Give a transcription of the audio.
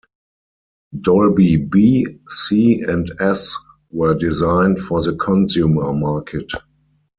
"Dolby B", "C", and "S" were designed for the consumer market.